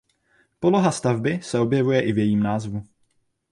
Poloha stavby se objevuje i v jejím názvu.